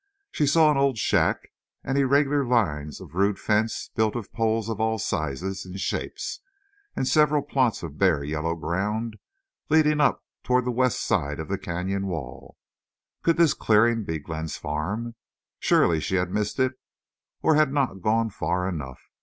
She saw an old shack, and irregular lines of rude fence built of poles of all sizes and shapes, and several plots of bare yellow ground, leading up toward the west side of the canyon wall. Could this clearing be Glenn's farm? Surely she had missed it or had not gone far enough.